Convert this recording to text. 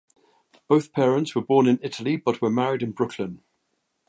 Both parents were born in Italy but were married in Brooklyn.